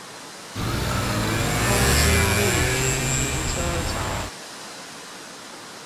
東興立體停車場